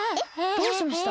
どうしました？